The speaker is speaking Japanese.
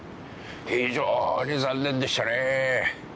非常に残念でしたねえ。